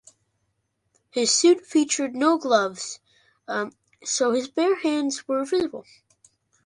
His suit featured no gloves, so his bare hands were visible.